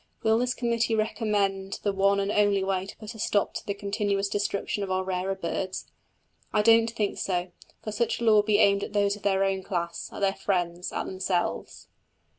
Will this committee recommend the one and only way to put a stop to the continuous destruction of our rarer birds? I don't think so. For such a law would be aimed at those of their own class, at their friends, at themselves.